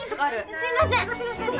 すいません。